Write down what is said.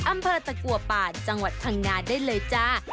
อำเภอตะกัวป่านจังหวัดพังงาได้เลยจ้า